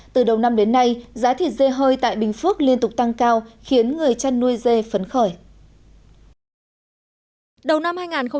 từ đầu năm đến nay giá thịt dê hơi tại bình phước liên tục tăng cao khiến người chăn nuôi dê phấn khởi